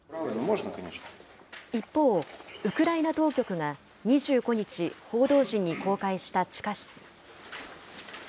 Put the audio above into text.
一方、ウクライナ当局が２５日、報道陣に公開した地下室。